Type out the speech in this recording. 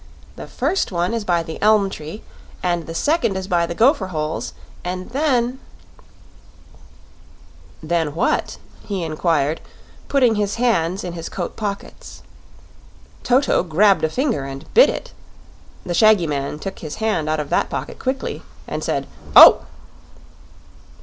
The first one is by the elm tree, and the second is by the gopher holes; and then " "Then what?" he inquired, putting his hands in his coat pockets. Toto grabbed a finger and bit it; the shaggy man took his hand out of that pocket quickly, and said "Oh!"